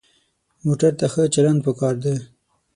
موټر ته ښه چلند پکار دی.